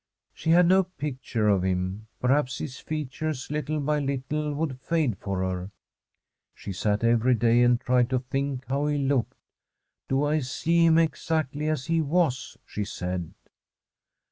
She had no picture of him ; perhaps his features little by little would fode for her. She sat every day and tried to think how he looked. ' Do I see him exactly as he was? ' she said.